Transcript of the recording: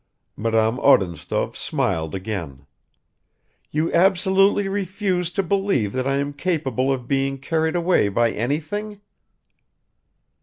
Madame Odintsov smiled again. "You absolutely refuse to believe that I am capable of being carried away by anything?"